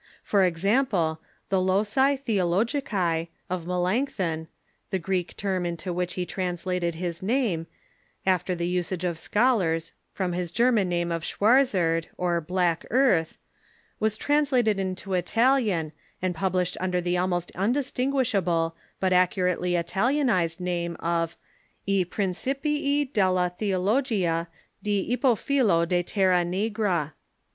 For example, the "Loci Theologici " of Melanchthon — the Greek term into which he translated his name, after the usage of scholars, from his German name of Schwarzerd, or Black Earth — was translated into Italian, and published under the almost undistinguishable, but accurately Italianized, name of "I Principii della Theo logia di Ippofilo de Terra Nigra."